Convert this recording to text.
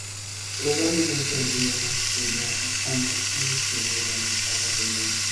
Probablemente el río constituía antaño un distributario de las aguas del Don.